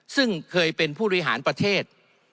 ซึ่งเคยเป็นผู้บริหารประเทศ